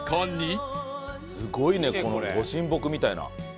すごいねこのご神木みたいな。